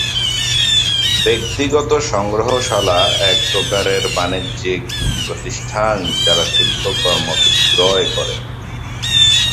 ব্যক্তিগত সংগ্রহশালা একপ্রকারের বাণিজ্যিক প্রতিষ্ঠান যারা শিল্পকর্ম বিক্রয় করে।